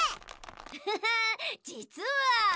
フフフッじつは。